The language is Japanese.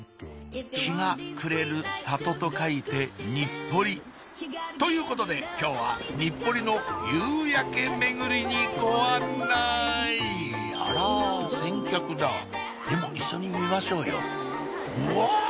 「日が暮れる里」と書いて日暮里ということで今日は日暮里の夕焼け巡りにご案内あら先客だでも一緒に見ましょうようわ！